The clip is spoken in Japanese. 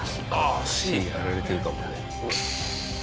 足やられてるかもね。